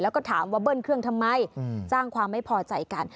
แล้วก็ถามว่าเบิ้ลเครื่องทำไมสร้างความไม่พอใจกัน